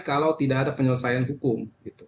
kalau tidak ada penyelesaian hukum